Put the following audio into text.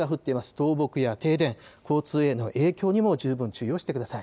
倒木や停電、交通への影響にも十分注意をしてください。